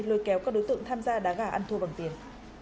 lôi kéo các đối tượng tham gia đá gà ăn thua bằng tiền